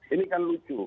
ini kan lucu